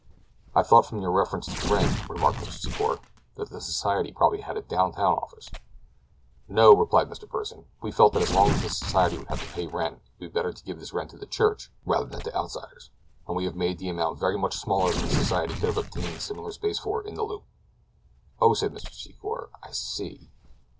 "I thought from your reference to rent," remarked Mr. Secor, "that the society probably had a down town office." "No," replied Mr. Pursen; "we felt that as long as the society would have to pay rent it would be better to give this rent to the church rather than to outsiders, and we have made the amount very much smaller than the society could have obtained similar space for in the Loop." "Oh," said Mr. Secor, "I see.